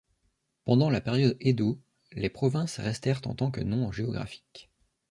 Pendant la période Edo les provinces restèrent en tant que noms géographiques.